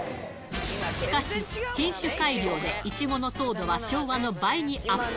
しかし、品種改良で、イチゴの糖度は昭和の倍にアップ。